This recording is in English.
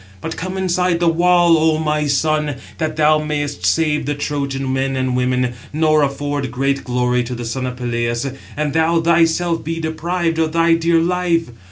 But come inside the wall, O my son, that thou mayest save the Trojan men and women, nor afford great glory to the son of Peleus, and thou thyself be deprived of thy dear life.